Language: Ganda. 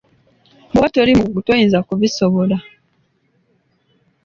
Bw'oba toli mukugu toyinza kubisobola.